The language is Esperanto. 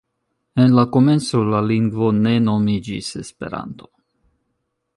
En la komenco la lingvo ne nomiĝis Esperanto.